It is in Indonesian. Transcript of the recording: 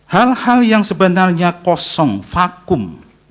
hal hal yang sebenarnya kosong vakum